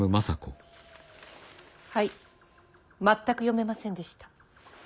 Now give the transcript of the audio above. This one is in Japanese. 全く読めませんでした。